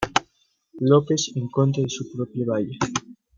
López en contra de su propia valla.